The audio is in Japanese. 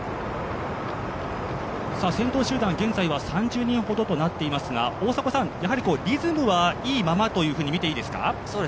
先頭集団、現在は３０人ほどとなっていますが大迫さん、リズムはいいままと見ていいですか？